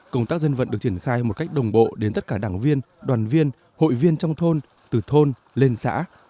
công tác dân vận được triển khai một cách đồng bộ đến tất cả đảng viên đoàn viên hội viên trong thôn từ thôn lên xã